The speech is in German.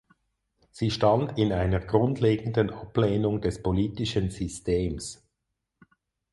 Sie stand in einer grundlegenden Ablehnung des politischen Systems.